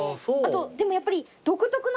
でもやっぱり。